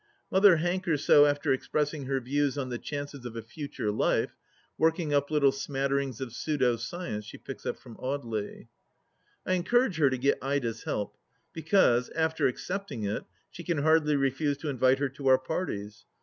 Mother hankers so after expressing her views on the chances of a future life, working up little smatterings of pseudo science she picks up from Audely. I encourage her to get Ida's help, because, after accepting it, she can hardly refuse to invite her to our parties.